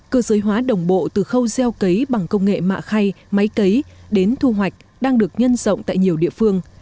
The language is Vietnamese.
cơ giới hóa đồng bộ từ khâu gieo cấy bằng công nghệ mạ khay máy cấy đến thu hoạch đang được nhân rộng tại nhiều địa phương